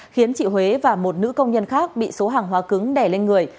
khiến chị huế và một nữ công nhân khác bị số hàng hóa cứng đè lên người